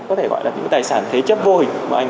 có thể gọi là những cái tài sản thế chấp vô hình mà anh